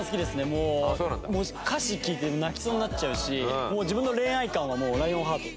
もう歌詞聴いて泣きそうになっちゃうし自分の恋愛観はもう『らいおんハート』。